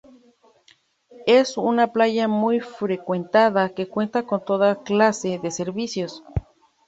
Es una playa muy frecuentada que cuenta con toda clase de servicios.